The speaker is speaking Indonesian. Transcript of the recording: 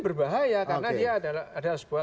berbahaya karena dia adalah sebuah